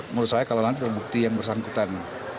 menurut saya kalau nanti terbukti yang bersangkutan